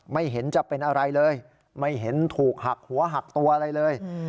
ไม่เห็นจะเป็นอะไรเลยไม่เห็นถูกหักหัวหักตัวอะไรเลย